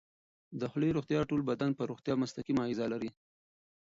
د خولې روغتیا د ټول بدن پر روغتیا مستقیمه اغېزه لري.